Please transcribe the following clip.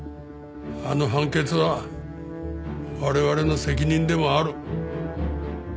あの判決は我々の責任でもある。